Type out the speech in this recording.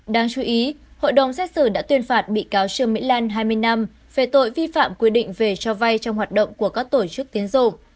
đáng chú ý hội đồng xét xử đã tuyên phạt bị cáo trương mỹ lan hai mươi năm về tội vi phạm quy định về cho vay trong hoạt động của các tổ chức tiến dụng